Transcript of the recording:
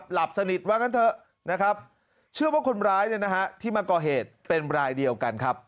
หลับสนิทว่างั้นเถอะนะครับเชื่อว่าคนร้ายเนี่ยนะฮะที่มาก่อเหตุเป็นรายเดียวกันครับ